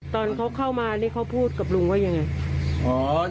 ตอนเขาเข้ามานี่เขาพูดกับลุงว่ายังไง